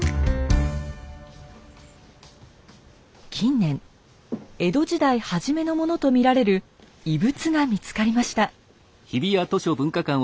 近年江戸時代初めのものと見られる遺物が見つかりました。